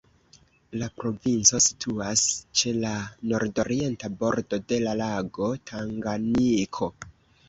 La provinco situas ĉe la nordorienta bordo de la lago Tanganjiko.